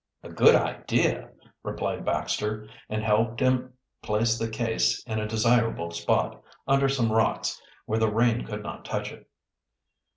"A good idea," replied Baxter, and helped him place the case in a desirable spot, under some rocks, where the rain could not touch it.